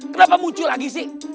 kenapa muncul lagi sih